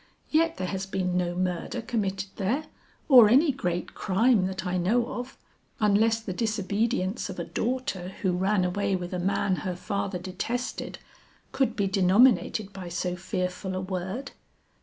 Yet there has been no murder committed there or any great crime that I know of, unless the disobedience of a daughter who ran away with a man her father detested, could be denominated by so fearful a word."